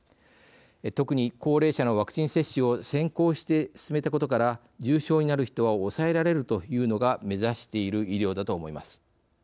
特に高齢者のワクチン接種を先行して進めたことから重症になる人は抑えられるというのが目指している医療だと思います。